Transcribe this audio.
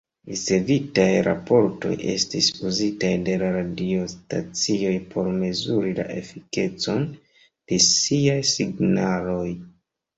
Ricevitaj raportoj estis uzitaj de la radiostacioj por mezuri la efikecon de siaj signaloj.